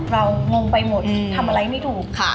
เรางงไปหมดทำอะไรไม่ถูก